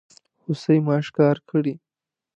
هوسۍ ما ښکار کړي